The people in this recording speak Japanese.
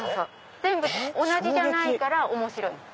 全部同じじゃないから面白い。